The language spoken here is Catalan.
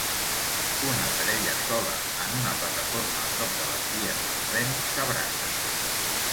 Una parella sola en una plataforma a prop de les vies del tren s'abraça.